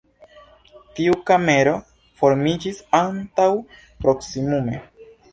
Tiu kamero formiĝis antaŭ proksimume.